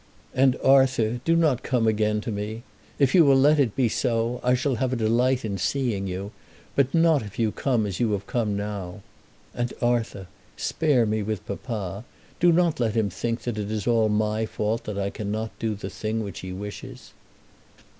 And, Arthur, do not come again to me. If you will let it be so, I shall have a delight in seeing you; but not if you come as you have come now. And, Arthur, spare me with papa. Do not let him think that it is all my fault that I cannot do the thing which he wishes."